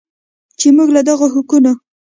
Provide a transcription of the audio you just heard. چې موږ له دغو حقونو